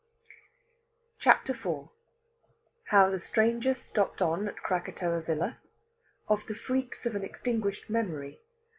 CHAPTER IV HOW THE STRANGER STOPPED ON AT KRAKATOA VILLA. OF THE FREAKS OF AN EXTINGUISHED MEMORY.